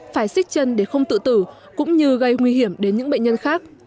phải xích chân để không tự tử cũng như gây nguy hiểm đến những bệnh nhân khác